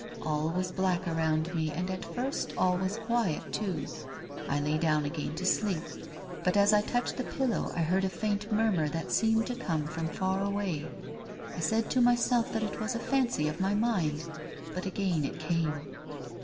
All was black around me, and at first all was quiet too. I lay down again to sleep. But as I touched the pillow I heard a faint murmur that seemed to come from far away. I said to myself that it was a fancy of my mind but again it came.